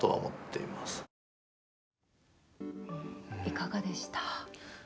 いかがでした？